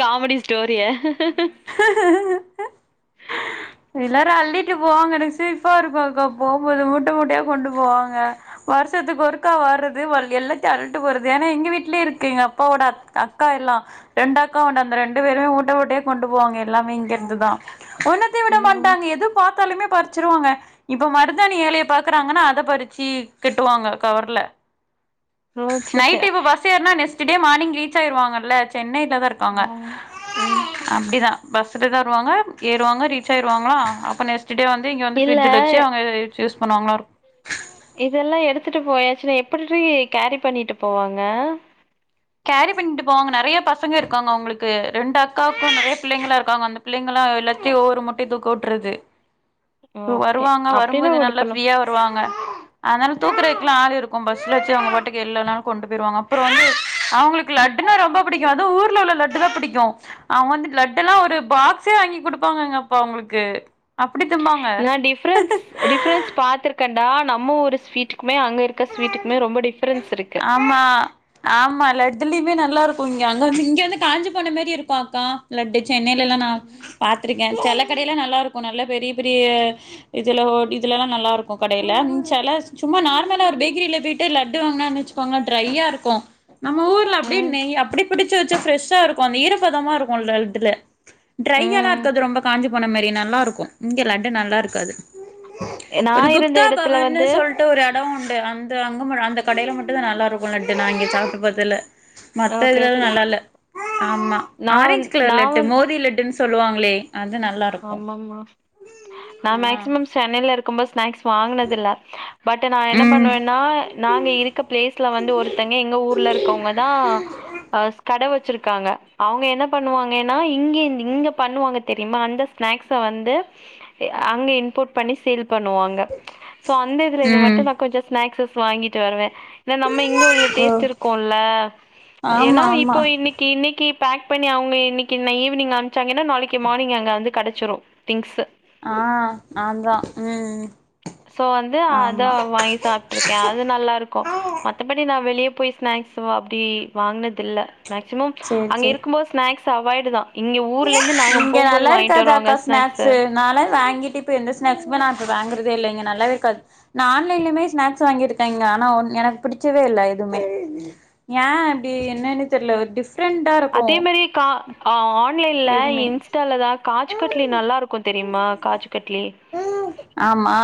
Comedy ஸ்டோரிய [inaudible] எல்லாரு அள்ளிட்டு போவாங்க எனக் சிப்பா இருக்கோ பாக்க போம்போது முட்ட முட்டையா கொண்டு போவாங்க வருஷத்துக்கு ஒருக்கா வர்றது வ எல்லாத்தையு அழுட்டு போறது ஏனா எங் வீட்லய இருக்கு எங்க அப்பாவோட அக்கா எல்லா ரெண்டு அக்கா உண்டு அந்த ரெண்டு பேருமே ஊட்ட ஊட்யே கொண்டு போவாங்க எல்லாமே இங்கிருந்துதா உன்னு விட ம் மாட்டாங்க எது பாத்தாலுமே பரு ச்சிருவாங்க இப்ப மருதாணி ஏலையை பாக்குறாங்கனா அத? பறிச்சு கட்டுவாங்க கவர்ல ஓ சே சே நைட் இப்ப பஸ் ஏறனா நெக்ஸ்ட் டே மார்னிங் ரீச் ஆயிருவாங்கல்ல சென்னைல தாருக்காங்க ஆ ம் அப்டிதா பஸ்ஸில் தா வருவாங்க ஏறுவாங்க ரீச் ஆருவாங்களா அப்போ நெக்ஸ்ட் ஸ்டே வந்து இங்க வந்து இல்ல ஃரிட்ஜில வெச்சு அவங்க யூஸ் பண்ணுவாங்களாக் இதெல்லா எடுத்ட்டு போயாச்சுனா எப்புட் டி கேரி பண்ணிட்டு போவாங்க கேரி பண்ணிட்டு போவாங்க நெறைய பசங்க இருக்காங்க அவுங்ளுக்கு ரெண்டு அக்காவுக்கு நெறைய பிள்ளைங்களா இருக்காங் அந்த பிள்ளைங்களா எல்லாத்தையு ஒவ்வொரு மூட்டையு தூக்க விட்டுருது ஓ இப்ப அப்டி வருவாங்க அப்டின்னா வரும்போது நல்லா உடுப்பலா ஃப்ரீயா வருவாங்க அதனால தூக்குரைக்குலா ஆள் இருக்கு பஸ்ல வெச்சு அவங்க பாட்டுக்கு எல்லா நாலு கொண்டு போயிருவாங்க அப்புற வந்து அவுங்ளுக் லட்டுனா ரொம்ப புடிக்கும் அதுவு ஊர்ல உள்ள லட்டு தா புடிக்கு அவங வந்து லட்டு எல்லா ஒரு பாக்ஸே வாங்கி குடுப்பாங்கங்க அப்பா அவங்ளுக்கு அப்டி திம்பாங்க நா டிஃப்ரன்ஸ் டிஃப்ரன்ஸ் பாத்துரு கண்டா நம்ம ஊரு ஸ்வீட்டுக்குமே அங்க இருக்க ஸ்வீட்டுக்குமே ரொம்ப டிஃபரன்ஸ் இருக்கு ஆமா ஆமா லட்டு்லயுமே நல்லா இருக்கும் இங்க அங்க வந்து இங்க வந்து காஞ்சி போன மாரி இருக்கும் அக்கா லட்டு சென்னையில எல்லா நா பாத்துருக்கே செல கடையில நல்லாருக்கும் நல்லா பெரிய பெரிய இதுல ஓ இதுலல்லா நல்லாருக்கு கடையில [unintelligible] சும்மா நார் மலா ஒரு பேக்கிரியில போயிட்டு லட்டு வாங்குனோனு வச்சுக்கோங்க ட்ரையா இருக்கும் நம்ம ஊர்ல அப்டியே ம் நெய் அப்டியே புடிச்சு வச்சா ஃப்ரெஷ்ஷா இருக்கும் அந்த ஈரப்பதமா இருக்கும் ரட்டு இதுல ட்ரையா எல்லா ம் இருக்காது ரொம்ப காஞ்சி போன மாாரி நல்லா இருக்கும் இங்க லண்டு நல்லா இருக்காது நா ஒரு இருந்த குப்தா எடத்துல பவன்னு வந்து சொல் ட்டு ஒரு எடம் உண்டு அப்இந்த அங்க அந்த கடையில மட்டு மத்த ஓகே இதுலலா ஓகே நல்லா இல்ல ஆமா நா வந் ஆரஞ்ச் கலர் நா லட்டு வந் மோதி லட்டுன்னு சொல்லுவாங்களே அது நல்லா இருக்கு ஆமாமா நா ஆ மேக்சிமம் சென்னையில இருக்கும்போ ஸ்னாக்ஸ் வாங்குனத இல்ல பட் நா என்ன ம் பண்ணுவேன்னா நாங்க இருக்க பிளேஸ்ல வந்து ஒரு த்தவங்க எங்க ஊர்ல இருக்கவங்கதா ஆ கட வச்சிருக் காங்க அவுங்க என்ன பண்ணுவாங்கன்னா இங்கேர்ந்து இங்க பண்ணுவாங்க தெரியுமா அந்த ஸ்நாக்ஸ வந்து அங்க இம்போர்ட் பண்ணி சேல் பண்ணுவா ங்க சோ அந்த இதுலேந்து மட்டு ம் நா கொஞ்ச ஸ்நாக்ஸஸ் வாங்கிட்டு வருவே எனா நம்ம இங்க உள்ள ஓ டேஸ்ட் இருக்கும்ல ஆமா ஏன்னா ஆமா இப்போ இன்னைக்கி இன்னைக்கி பேக் பண்ணி அவுங்க இன்னைக்கி நா ஈவினங் அனுப்ச்சாங்கன்னா நாளைக்கு மார்னிங அங்க வந்து கெடச்சிடு திங்ஸு ஆ அதா ம் சோ வந்து அத ஆமா வாங்கி சாப்ட்ரு யாது நல்லா இருக்கு மத்தபடி நா வெளியே போய் ஸ்நாக்ஸ் வ அப்டி வாங்குனது இல்ல மேக்சிமம் சேரி அங்க சேரி இருக்கும் போது ஸ்நாக்ஸ் அவாய்டு தா இங்க ஊர்லேருந்து நாங்க போம்போது வாங்கிட்டு வருவாங்க ஸ்நாக்ஸு னால வாங்கிட்டு இப்போ எந்த ஸ்நாக்ஸுமே நா இப்ப வாங்குறதே இல்லங்க நல்லாவே இருக்காது நா ஆன்லைன்லயுமே ஸ்நாக்ஸ் வாங்கியிருக்கேங்க ஆனா ஒன் எனக்கு பிடிச்சவே இல்ல எதுவுமே ஏ அப்டி என்னன்னு தெர்ல ஒரு டிஃப்ரெண்ட் அதே மாரியே கா ஆ ஆன்லைன்ல எதுமே இன்ஸ்டால தா காஜ் கட்லி நல்லாருக்கு தெரியுமா காஜ் கட்லி ஆமா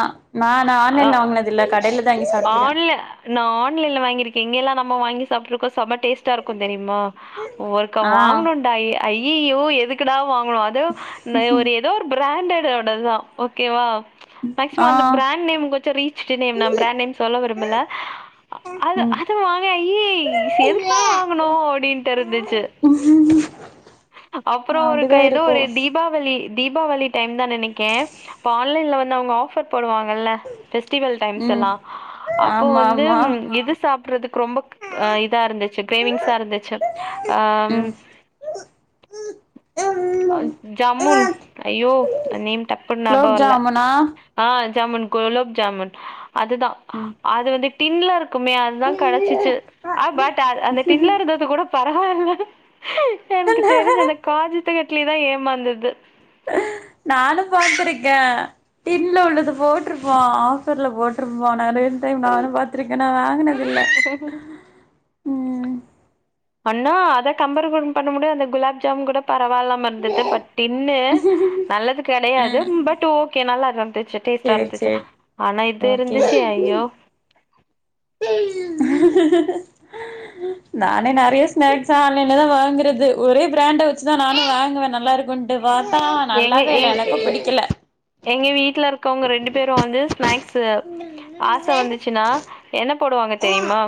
நா நா ஆ ஆன்லைன்ல வாங்குனது இல்ல கடையில தா வாங்கி சாப்ட்டுருக்க ஆன்ல நா ஆன்லைன்ல வாங்கிருக்கே இங்க எல்லா நம்ம வாங்கி சாப்ட்ருக்கோ சம டேஸ்ட் டா இருக்கு தெரியுமா ஒருக்கா ஆ வாங்கணுண்டா ஐய்யயோ எதுக்குடா வாங் குனோ அது நெ ஏதோ ஒரு பிராண்டட் ஓடதுதா ஓகேவா ஆ மேக்சிமம் அந்த பிராண்ட் நேம் கொஞ்ச ரீச்டு நேம் தா பிராண்ட் நேம் சொல்ல விரும்பல அது ம் அது வாங்க ஐயே எதுக்குடா வாங்குனோ அப்டின்ட்டு இருந்துச்சு உம் அப்புற ஒரு க ஏதோ ஒரு தீபா வளி தீபாவளி டைம் தா நெனைக்கே அப்போ ஆன்லைன்ல வந்து அவுங்க ஆஃபர் போடுவாங்கல்ல ஃபெஸ்டிவல் டைம்ஸ் ம் எல்லா அப்போ ஆமா வந்து ஆமா இது சாப்புறதுக்கு ரொம்போ ஆ இதா இருந்துச்சு கிரேவிங்ஸா இருந்துச்சு ஆ ம் ஆ ஜமுன்ஸ் ஐயோ அது நேம் டப்புன் ஞாபக குலோப் வர்ல ஜாமுனா ஆ ஜமுன் குலோப்ஜாமுன் அது தா ம் அது வந்து டின்ல இருக்குமே அதுதா கெடைச்சிச்சு ஆ பட் அந் அந்த டின்ல இருந்தது கூட பரவாயில்ல எனக்கு தெரிஞ்சு அந்த காஜித்து கட்லி தா ஏமாந்தது நானு பாத்துருக்க டின்ல உள்ளது போட்டிருப் பா ஆஃபர்ல போட்டிருப்பா நெறைய டைம் நானு பாத்துருக்க நா வாங்கின துள்ள அண்ணா அத கம்பர் பண்ண கூட அந்த குலாப் ஜாமு கூட பரவாயில்லாம இருந்தது பட் இன் நல்லது கிடையாது ம் பட் ஓகே நல்லா இருந்துச்சு டேஸ்ட் சேரி இருந்துச்சு சேரி ஆனா இது ஓகே இருந்துச்சு ஐயோ நானே நெறைய ஸ்ாக்ஸ் ஆன்லைன்ல தா வாங்கறது ஒரே பிராண்ட வச்சுதா நானு வாங்குவ நல்லா இருக்கு குண்டு பார்த்தா எங்க நல்லாவே இல்ல எனக்கும் எங் பிடிக்கல எங்க வீட்டுல இருக்கவங்க ரெண்டு பேரு வந்து ஸ்நக்ஸ்ு ஆச வந்துச்சுன்னா என்ன போடுவாங்க தெரியுமா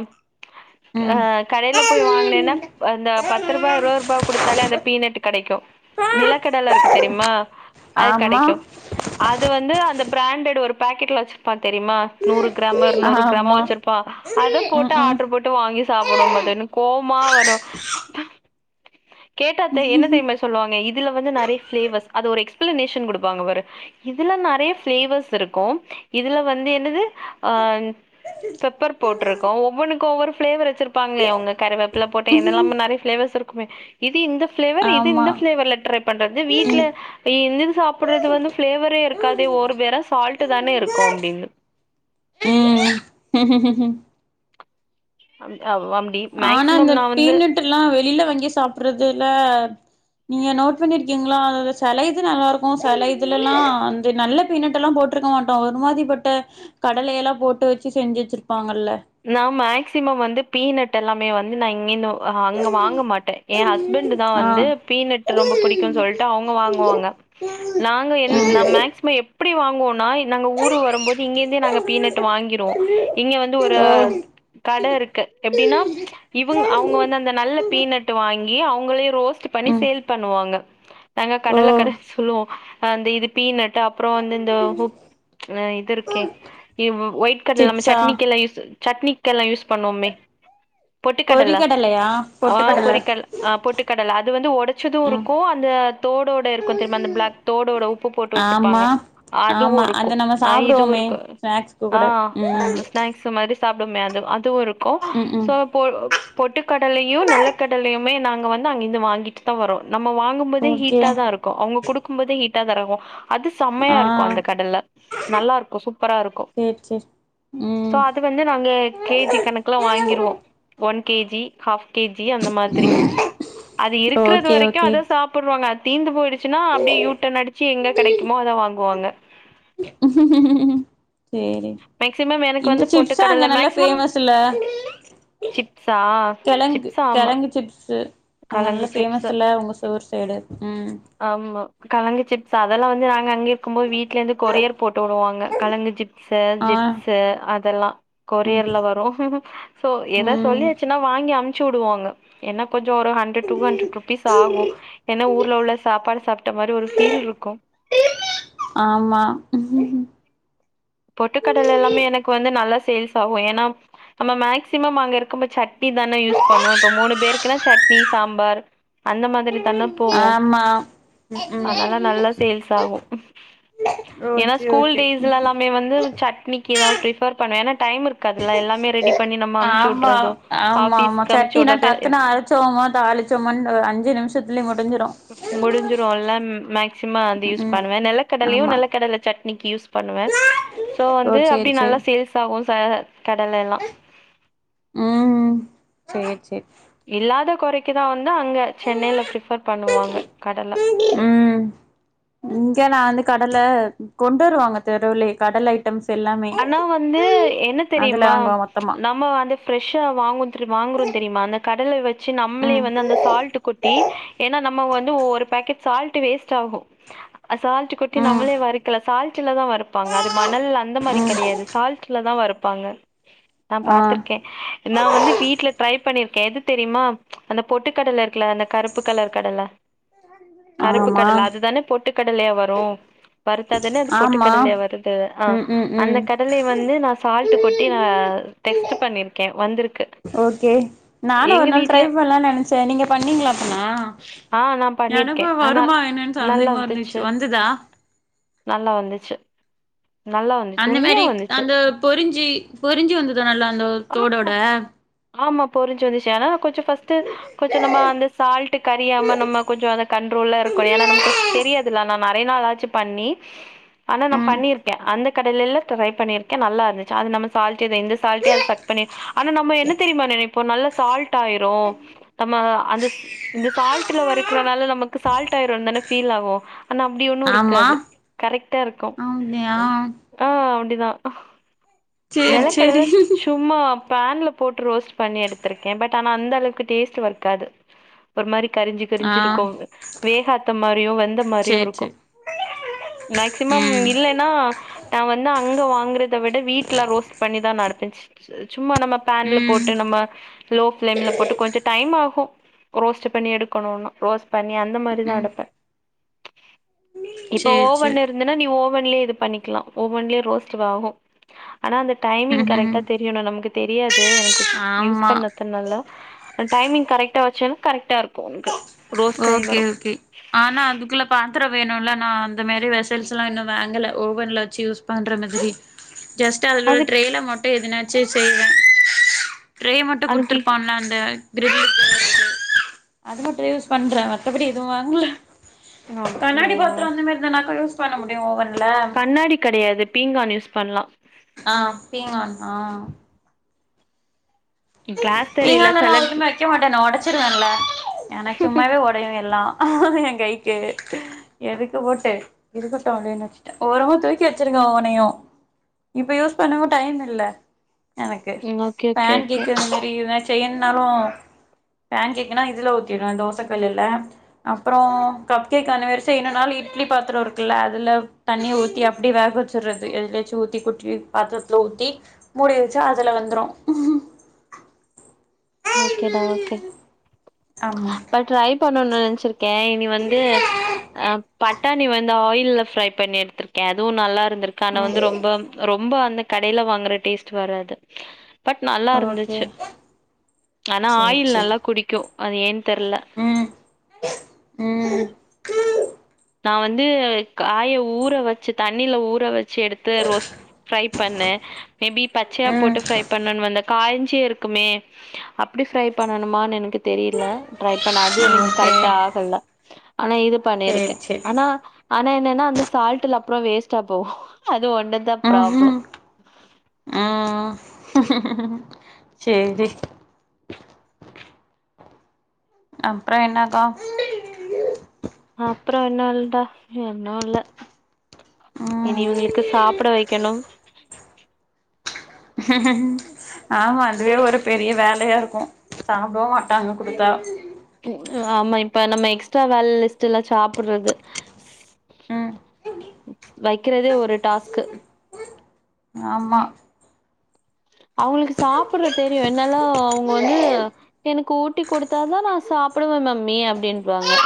ம் அஹ் கடையில போய் வாங்கனேன்னா அந்த பத்து ரூபாய் இருபது ரூபாய் குடுத்தாலே அந்த பீனட் கிடைக்கும் நிலக்கடல இருக்கு தெரியுமா அது ஆமா கிடைக்கும் அது வந்து அந்த பிராண்டட் ஒரு பாக்கெட்ல வச்சிருப்பா தெரியுமா நூறு கிராம இரு நூறு கிராம ஆமா வச்சிருப்பா அத ம் போட்டு ம் ஆர்டர் போட்டு மட்டு வாங்கி சாப்புடு பாத்தன்னு கோவமா வரு கேட்டாத்த என்ன தெரியுமா சொல்லுவாங்க இதுல வந்து நெறைய ஃபிளேவர்ஸ் அது ஒரு எக்ஸ்பிளனேஷன் கொடுப்பாங்கபாரு இதுல நெறைய ஃபிளேவர்ஸ் இருக்கும் இதுல வந்து என்னது அ பெப்பர் போட்ருக்கு ஒவ்வொனுக்கு ஒவ்வொரு ஃபிளேவர் வச்சிருப்பாங்களே அவுங்க கருவேப்புல போட்டு என்ன இல்லாம நெறைய ஃபிளேவர்ஸ் இருக்குமே இது இந்த ஃபிளேவர் இது இந்த ஆமா ஃபிளேவர்ல ட்ரை பண்றது வீட்ல இந்த இது சாப்புடுறது வந்து ஃபிளேவரே இருக்காதே ஒரு வேர சால்ட் தான இருக்கும் அப்டின்னு ம் அவ் அப் அம்டி ஆனா இந்த அந்த பீனட்டு எல்லா வெளில வாங்கி சாப்புடுறது நீங்க நோட் பண்ணிருக்கீங்களா அதுல சில இது நல்லா இருக்கும் சில இதுல எல்லா அந்த நல்ல பின்னெட்டலா போட் போட்ருக்க மாட்டோ ஒரு மாரி பட்ட கடல எல்லா போட்டு வச்சு செஞ்சு வச்சிருப்பாங்கள்ளா நா மேக்சிமம் வந்து பீனட் எல்லாமே வந்து நா இங்கனு அங்க வாங்க மாட்ட எய ஹஸ்பண்ட் தா வந்து ஆ பீனட் ரொம்ப புடிக்கும்னு சொல்லிட்டு அவுங்க வாங்குவாங்க நாங்க என் நா மேக்ஸ் எப்டி வாங்குவோன்னா நாங்க ஊரு வரும்போது இங்கே இருந்தே நாங்க பீனட் வாங்கிருவோ இங்க வந்து அ கட இருக்கு எப்டின்னா இவுங் அவுங்க ம் வந்து அந்த நல்ல பீனட் வாங்கி அவங்களே ரோஸ்ட் பண்ணி ஓ ம் சேல் பண்ணுவாங்க நாங்க ஓ கடல்ல கடலச் சொல்லுவோ அந்த இது பீ நட்டு அப்பற வந்து இந்த கு ஆ இது இருக்கே வ் ஒயிட் கடல நம்ம சிப்ஸா சட்னிக்கு எல்லா யூஸ் சட்னிக்கு எல்லா யூஸ் பண்ணுவோமே பொட்டுக்கடல பொறிக்கடலையா ஆ பொட்டுக்கடல பொரிக்கல் ஆ பொட்டுக்கடலை அது வந்து ஒடச்சதும் ம் இருக்கும் அந்த தோடோட இருக்கும் தெரியும்மா அந்த பிளாக் தோடோட உப்பு போட்டு ஆமா வச்சுருப்பாங்க அதுவு ஆமா அத இருக்கும் நம்ம ஆ இதுவு சாப்டுவோமே இருக்கும் ஸ்நாக்ஸ்க்கு ஆ கூட ம் ஸ்நாக்ஸ் சு மாரி சாப்புடமே அது அதுவு இருக்கும் ம் ம் சோப் போ பொட்டுக்கடலையு நெல கடலையுமே நாங்க வந்து அங்க இருந்து வாங்கிட்டு தா வரோ நம்ம வாங்க கும் போதே ஓகே ஹீட்டா தா இருக்கும் அவுங்க குடுக்கும் போதே ஹீட்டா தா இருக்கும் அது செம்மையா ஆ இருக்கும் அந்த கடல நல்லாருக்கும் சூப்பரா இருக்கும் சேர் சேர் சோ அது வந்து நாங்க கே ஜி கணக்குல வாங்கிருவோ one K G half K G அந்த மாதிரி அது இருக்றது ஓகே வரைக்கு ஓகே அத சாப்புடுவாங்க அது தீந்து போய்டு சினா அப்டியே யூட்டன் அடிச்சி எங்க கெடைக்குமோ அத வாங்குவாங்க சேரி மேக்சிமம் எனக்கு இந்த வந்து சிப்ஸு அங்க பொட்டுக்கடல நல்லா மேக்சிமம் ஃபேமஸில்ல சிப்ஸா கெழங்கு சிப்ஸ் ஆமா கெழங்கு சிப்ஸு அங்க நல்லா கலங்கு சிப்ஸ் பேமஸுல்ல ஒங்க சோர் சைடு ம் ஆமா கழங்கு சிப்ஸ் அதெல்லா வந்து நாங்க அங்க இருக்கும் போது வீட்லருந்து கொரியர் போட்டு உடுவாங்க கழங்கு சிப் ஸு ஆ ஜிப்ஸு அதெல்லா ம் கொரியர்ல வரு சோ எதா ம் சொல்லியாச்சினா வாங்கி அம்ச்சு விடுவாங்க என்ன கொஞ்சோ ஒரு ஹண்ட்ரட் டூ ஹண்ட்ரட் ருபீஸ் ஆகு எனா ஊர் சாப்பாடு சாப்ட்ட மாரி ஒரு ஃபீல்ருக்கு ஆமா பொட்டுக்கடலல்லாமே எனக்கு வந்து நல்லா சேல்ஸ் ஆகு ஏனா நம்ம மேக்ஸிமம் அங்க இருக்கம்ப சட்னி தானே யூஸ் பண்ணுவோ இப்ப மூணு பேருக்குனா சட்னி சாம்பார் அந்த மாதிரி தானே போவோ ஆமா ம் ம் அதுனால நல்லா சேல்ஸ் ஆகு ஏனா ஓகே ஸ்கூல் ஓகே டேஸ்லல்லா லே வந்து சட்னிக்குதா பிரிஃபர் பண்ணுவே ஏனா டைம் இருக் காதுல எல்லாமே ரெடி பண்ணி நம்ம அம்ச்சு ஆமா உட்றது ஆபீஸ்கம்ச்சி உட்றது தோமோ தாலிச்சொமான் அ அஞ்சு நிமிஷத்துலயே முடிஞ்சிடு முடிஞ்சிருல்லன் மேக்சிம அந்த யூஸ் ம் பண்ணுவே நெலக் கடலையு ஆமா நெலக்கடல சட்னிக்கு யூஸ் பண்ணுவே சோ ஓ வந்து சேரி அப்டி சேரி நல்லா சேல்ஸ் ஆகு சார் கடலைலா உம் சேர் சேர் இல்லாத கொறைக்கிதா வந்து அங்க சென்னையில பிரிஃபர் பண்ணுவாங்க கடல ம் இங்க நா வந்து கடல கொண்டு வருவாங்க தெருலே கடலை டம்ஸ் எல்லாமே ஆனா வந்து என்ன அதுல தெரியுமா வாங்குவோ மொத்தமா நம்ம வந்து ஃபிரெஷா வாங்கு தெரி வாங்குறோ தெரியுமா அந்த கடலை வச்சி நம்ளே ம் வந்து அந்த சால்டு கொட் டி ஏனா நம்ம வந்து ஒரு பேக்கெட் சால்ட்டு வேஸ்ட் ஆகு அ சால்ட்டு கொட்டி ம் நம்மளே வறுக்கலா சால்ட்டுலதா வறுப்பாங்க அது மணல் அந்த மாரி ம் கெடையாது சால்ட்லதா வறுப்பாங்க நா ஆ பாத்துருக்கே நா வந்து வீட்ல ட்ரை பண்ணிருக்கே எது தெரியுமா அந்த பொட்டு கடல இருக்ல அந்த கருப்பு கலர் கடல கருப்பு ஆமா கடல அதுதானே பொட்டுக்கடலையா வரு வறுத்தா தானே அது ஆமா பொட்டுக்கடலையா வருது ஆ ம் ம் அந்த ம் கடலை வந்து நா சால்ட்டு கொட்டி நா டெஸ்ட்டு பண்ணிருக்கே வந்துருக்கு ஓகே நானு ஒரு நாள் ட்ரை பண்லான் நெனச்சே நீங்க பண்ணீங்ளா அப்பனா ஆ நா பண்ணிருக்கே எனக்கு ஆனா வருமா என்னன் நல்லா சந்தேகமா இருந்துச்சி வந்துச்சு வந்ததா நல்லா வந்துச்சு நல்லா வந்துச்சு அந்த உண்மையா மாரிக் வந்துச்சு அந்த பொறிஞ்சி பொறிஞ்சி வந்ததா நல்லா அந்த ஆமா தோடோட ஆமா பொரிஞ்சி வந்துச்சி ஆனால கொஞ்சொ ஃபஸ்ட்டு கொச்ச நம்ம அந்த சால்ட்டு கரியாம நம்ம கொஞ்சொ அத கண்ட்ரோல்ல இருக்கோ ஏனா நமக்கு தெரியாதுல அதுனால நெறைய நாள் ஆச்சி பண்ணி ஆனா நா ம் பண்ணிருக்கே அந்த கடலைலா ட்ரை பண்ணிருக் கே நல்லா இருந்துச்சி அது நம்ம சால்ட்டு வ இந்த சால்ட்டே அது சக் பண்ணி ஆனா நம்ம என்ன தெரியுமா நெனைப்போ நல்ல சால்ட் டாயிரு நம்ம அந்த இந்த சால்டுல வரைக்குறனால நமக்கு சால்ட் ஆயிரு தான ஃபீல் ஆகு ஆனா அப்டி ஒண்ணு ஆமா இருக்காது கரெக்டா இருக்கு அப்டியா ஆ அப்டிதா சேரி நெலக்கடல சேரி சும்மா பேன்ல போட்டு ரோஸ்ட் பண்ணி எடுத்திருக்கே பட் ஆனா அந்த அளவுக்கு டேஸ்ட் வர்க்காது ஒரு மாரி கறிஞ்சி ஆ கறிஞ்சிருக்கு வேகாத்த மாரியு வெந்த மாரியு சேரி இருக்கு சேரி மேக்சிமம் ம் இல்ல நா நா வந்து அங்க வாங்கறத விட வீட்ல ரோஸ்ட் பண்ணிதா நடத்துன்ச் சும்மா நம்ம பேன்ல ம் போட்டு நம்ம லோ பேளேம்ல போட்டு கொஞ்ச டைம் ஆகு ரோஸ்ட் பண்ணி எடுக்கனுன்னா ரோஸ்ட் பண்ணி அந்த மாரி தா ம் எடுப்ப இப்ப சேரி ஓவன் சேரி இருந்துன்னா நீ ஓவன்லயே இது பண்ணிக்லா ஓவ்வொன்லியே ரோஸ்ட் வே ஆகு ஆனா அந்த டைமிங் ம் கரெக்டா ம் தெரியனு நமக்கு தெரியாது எனக்கு யூஸ் ஆமா பண்ண து நல்ல டைமிங் கரெக்டா வச்சோன்னா கரெக்டா இருக்கு உனக்கு ரோஸ்ட் ஆயி ஓகே வரு. ஓகே ஆனா அதுக்குள்ள பாத்திரோ வேனுல்ல நா அந்த மேரி வசுல்ஸ்லா இன்னு வாங்கல ஓவன்ல வச்சி யூஸ் பண்ற மாதிரி ஜஸ்ட் அதுல ஒரு அது ட்ரெய்ல மட்டு எதுனாச்சு செய்வ ட்ரே மட்டு அதுக்கு குடுத்துருப்பான்ல அந்த கிர்லுக்கு அதுங் பேஸ் பண்ற மத்தபடி எதுவு வாங்கல கண்ணாடி அப்டியா பாத்திரோ அந்த மாரி இதுனாக்க யூஸ் பண்ண முடியு ஓவன்ல கண்ணாடி கெடையாது பீங்கான் யூஸ் பண்லா ஆ பீங்கானா கிளாஸ் தெரில பீங்கானெல்லா செல எதுமே வைக்க மாட்டே நா ஒடச்சிருவேல்ல ஏனா சும்மாவே ஒடையு எல்லா ஆ எ கைக்கு எதுக்கு போட்டு இருக்கட்டு அப்டினு வச்சுட்டே ஓரமா தூக்கி வச்சிருங்க அவனையு இப்ப யூஸ் பண்ணவு டைம் இல்ல எனக்கு okay okay pancake okay. இந்த மாரி இதுனா செயின்னாலு பேன் கேக்னா இதுல ஊத்திருவே தோச கல்லுல அப்றோ கப் கேக் ஆன வரிச இன்னொ நாள் இட்லி பாத்ரோ இருக்குல்ல அதுல தண்ணியே ஊத்தி அப்டி வேக வச்சுர்றது எதுலாச்சு ஊத்தி குட்டி பாத்துரத்துல ஊத்தி மூடி வச்சா அதுல வந்துரு ஓகேடா ஓகே ஆமா அ ட்ரை பண்ணுன் நா நென்ச்சிருக்கே இனி வந்து அ பட்டாணி வந்து ஆயில்ல ஃப்ரை பண்ணி எடுத்திருக்கே அதுவு நல்லா இருந்திருக்கு ஆனா வந்து ம் ரொம்ப ரொம்ப அந்த கடையில வாங்கற டேஸ்ட் வராது பட் நல்லா ஓகே இருந்துச்சு ஆனா சேரி ஆயில் சேரி நல்லா குடிக்கு அது ஏன் தெர்ல ம் ம் நா வந்து காய ஊற வச்சு தண்ணில ஊற வச் சி எடுத்து ரோஸ் ப்ரை பண்ண மேபி பச்சையா ம் போட்டு ப்ரை பண்ணன் வந்த காய்ஞ்சி இருக்குமே அப்டி ஃப்ரை பண்ணனுமான் எனக்கு தெரியல ட்ரை பண்ண அது எனக்கு ஓகே கரெக்ட்டா ஆகல ஆனா இது சேரி பண்ணிருக்கே சேரி ஆனா ஆனா என்னன்னா அந்த சால்ட்ல அப்புறோ வேஸ்டா போவு அது ஒன்னுதா ப்ராப்ளம் ம்ஹும் ம் சேரி அப்றோ என்னாக்கா அப்றோ ஒன்னுல்டா என்னு இல்ல இனி ம் இவுங்களுக்கு சாப்ட வைக்கனு ஆமா அதுவே ஒரு பெரிய வேலையா இருக்கு சாப்டவு மா தாங்கு குடுத்தா ஆமா இப்ப நம்ம எக்ஸ்ட்ரா வேல் லிஸ்ட் எல்லா சாப்புட்றது ம் வெக்கிறதே ஒரு டாஸ்க்கு ஆமா அவ்ங்களுக்கு சாப்பிட்றத் தெரியு என்னல்லா அவங்க வந்து எனக்கு ஊட்டி கொடுத்தாதா நா சாப்பிடுவ மம்மி அப்டின்ருவாங்க